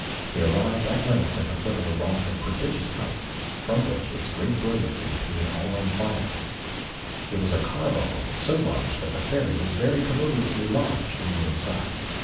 He arrived at length at the foot of a rock of prodigious height, which from its great brilliancy appeared all on fire. It was a carbuncle, so large that the Fairy was very commodiously lodged in the inside.